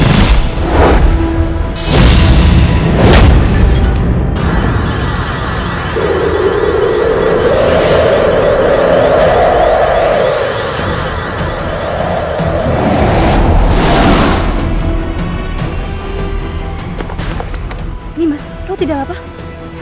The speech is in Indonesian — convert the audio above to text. ini mas kau tidak apa apa